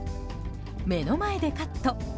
目の前でカット。